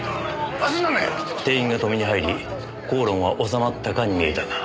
店員が止めに入り口論は収まったかに見えたが。